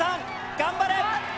頑張れ。